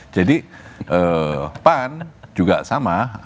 pan juga sama